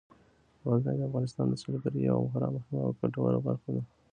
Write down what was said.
غزني د افغانستان د سیلګرۍ یوه خورا مهمه او ګټوره برخه ده.